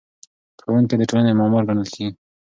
ښوونکی د ټولنې معمار ګڼل کېږي.